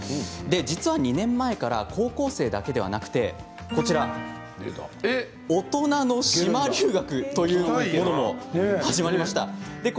実は２年前から高校生だけではなくて大人の島留学というのも始まりました。